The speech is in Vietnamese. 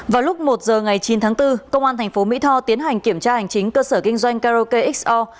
vào lúc một giờ ngày chín tháng bốn công an tp mỹ tho tiến hành kiểm tra hành chính cơ sở kinh doanh karaoke xo